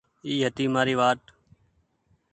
اي هيتي مآري وآت۔